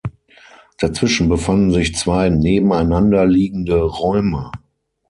Dazwischen befanden sich zwei nebeneinanderliegende Räume.